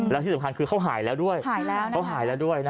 แล้วที่สำคัญคือเขาหายแล้วด้วย